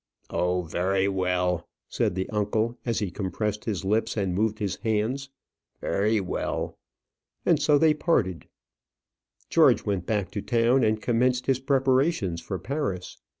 "Oh, very well," said the uncle, as he compressed his lips, and moved his hands. "Very well." And so they parted. George went back to town and commenced his preparations for Paris.